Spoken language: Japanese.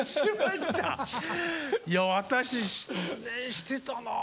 いや私失念してたなあ。